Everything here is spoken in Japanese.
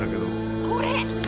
これ！